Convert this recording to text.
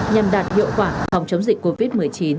nhằm đạt hiệu quả phòng chống dịch covid một mươi chín